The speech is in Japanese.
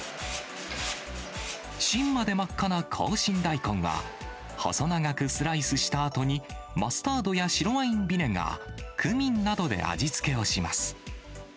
芯まで真っ赤な紅芯大根は、細長くスライスしたあとに、マスタードや白ワインビネガー、クミンなどで味付けをします。